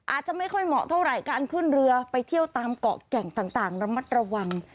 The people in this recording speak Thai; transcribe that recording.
อาจจะไม่ค่อยเหมาะเท่าไหร่การขึ้นเรือไปเที่ยวตามเกาะแก่งต่างระมัดระวัง